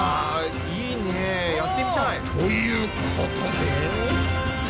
いいねやってみたい！ということで。